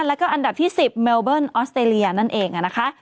แล้วก็อันดับที่๑๐เมลเบิ้ลออสเตรเลียนั่นเองนะคะ